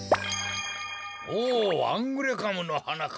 おおアングレカムのはなか。